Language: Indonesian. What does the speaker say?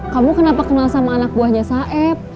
kamu kenapa kenal sama anak buahnya saeb